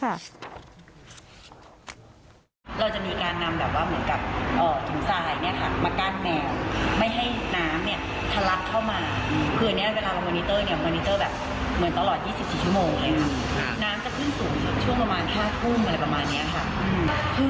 เราจะมีการนำแบบว่าเหมือนกับถุงสายมาก้านแมว